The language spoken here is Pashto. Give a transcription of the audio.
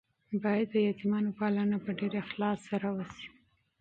باید د یتیمانو پالنه په ډیر اخلاص سره وشي.